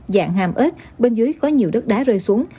dạng hàm ếch bên dưới có nhiều đất đá rơi xuống